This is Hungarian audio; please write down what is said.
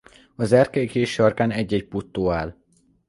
Az erkély két sarkán egy-egy puttó áll.